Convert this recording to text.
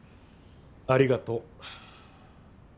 ありがとう。